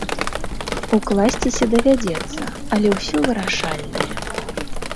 Укласціся давядзецца, але ўсё вырашальнае.